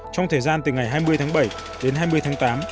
trong thời gian từ ngày hai mươi tháng bảy đến hai mươi tháng tám